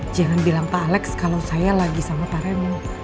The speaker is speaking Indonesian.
jangan bilang pak alex kalau saya lagi sama pak remo